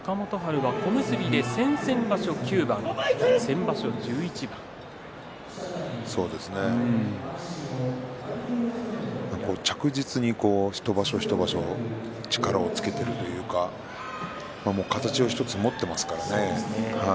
小結で先々場所９番着実に一場所一場所力をつけているというか形を１つ持っていますからね。